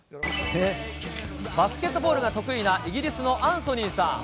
バスケットボールが得意なイギリスのアンソニーさん。